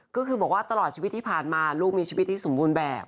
ก็คือบอกว่าตลอดชีวิตที่ผ่านมาลูกมีชีวิตที่สมบูรณ์แบบ